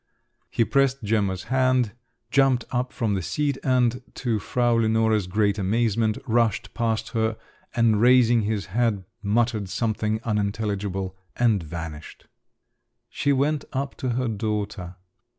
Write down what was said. He pressed Gemma's hand, jumped up from the seat, and to Frau Lenore's great amazement, rushed past her, and raising his hat, muttered something unintelligible—and vanished. She went up to her daughter.